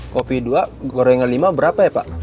kopi dua gorengan lima berapa ya pak